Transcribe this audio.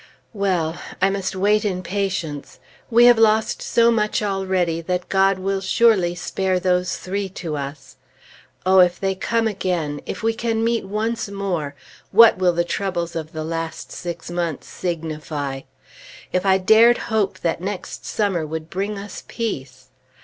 Well! I must wait in patience. We have lost so much already that God will surely spare those three to us. Oh! if they come again, if we can meet once more, what will the troubles of the last six months signify? If I dared hope that next summer would bring us Peace!